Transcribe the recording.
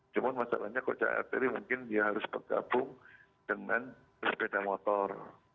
cuma masalahnya kalau cara arteri mungkin dia harus bergabung dengan sepeda motor